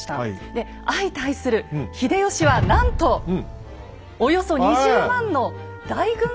で相対する秀吉はなんとおよそ２０万の大軍勢を動員していたんですよ。